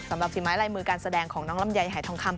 ฝีไม้ลายมือการแสดงของน้องลำไยหายทองคำ